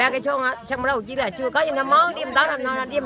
ba cái sông đó sông đâu chứ là chưa có những cái món điểm đó nó điểm